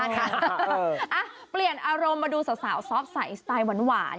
อ่ะเปลี่ยนอารมณ์มาดูสาวซอฟใส่สไตล์หวาน